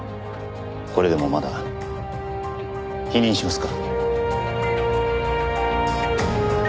これでもまだ否認しますか？